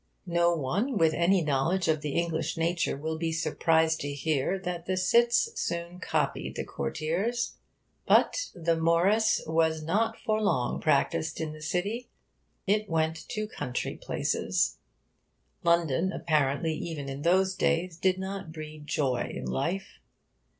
No one with any knowledge of the English nature will be surprised to hear that the cits soon copied the courtiers. But 'the Morrice was not for longe practysed in the cittie. It went to countrie playces.' London, apparently, even in those days, did not breed joy in life.